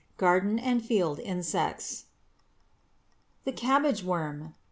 GARDEN AND FIELD INSECTS =The Cabbage Worm.